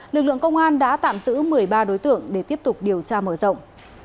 lực lượng công an đã tạm giữ một mươi ba đối tượng để tiếp tục điều tra mở rộng